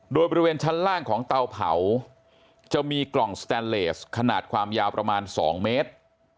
โดยบริเวณชั้นล่างของเตาเผาจะมีกล่องสแตนเลสขนาดความยาวประมาณ๒เมตร